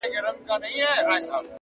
د نورو سره د حسادت پر ځای